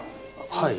はい。